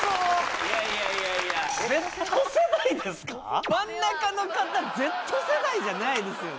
いやいや真ん中の方Ｚ世代じゃないですよね？